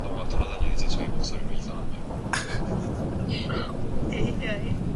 가인과 그 제물은 열납하지 아니하신지라